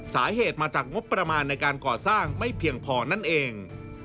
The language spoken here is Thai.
สาเหตุมาจากงบประมาณในการก่อสร้างไม่เพียงพอนั่นเอง